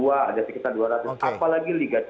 ada sekitar dua ratus apalagi liga tiga